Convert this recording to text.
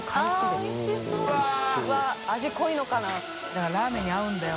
だからラーメンに合うんだよ。